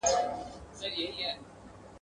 له یوې توري تر بلي د منزل پر لور خوځيږو !.